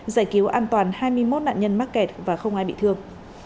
giải cứu an toàn hai mươi một nạn nhân mắc kẹt và không ai bị thương